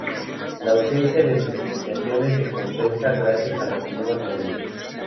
La ausencia de precipitaciones se compensa gracias a las brumas marinas.